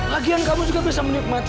lagian kamu juga bisa menikmati